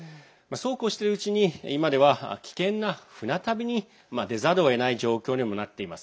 そうこうしているうちに今では危険な船旅に出ざるをえない状況にもなっています。